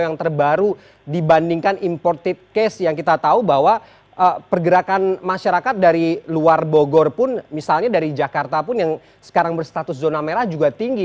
gerakan masyarakat dari luar bogor pun misalnya dari jakarta pun yang sekarang berstatus zona merah juga tinggi